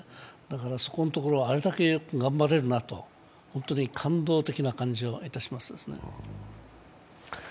そこのところ、あれだけよく頑張れるなと感動的な感じがいたしますね。